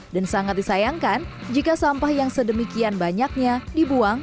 dan sangat disayangkan jika sampah yang sedemikian banyaknya dibuang